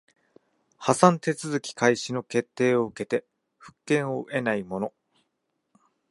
破産手続開始の決定を受けて復権を得ない者